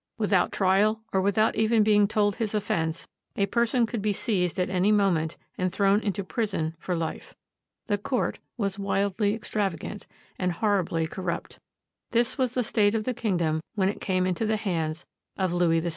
Without trial or without even being told his offense, a person could be seized at any moment and thrown into prison for life. The court was wildly extravagant and horribly corrupt. This was the state of the kingdom when it came into the hands of Louis XVI.